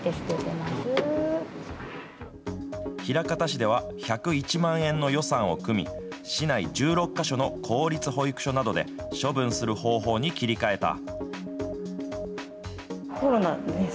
枚方市では、１０１万円の予算を組み、市内１６か所の公立保育所などで、処分する方法に切り替えた。